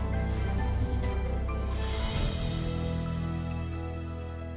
terima kasih banyak